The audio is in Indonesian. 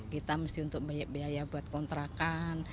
kita mesti untuk biaya buat kontrakan